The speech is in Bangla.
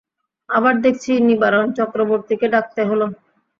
আবার দেখছি নিবারণ চক্রবর্তীকে ডাকতে হল।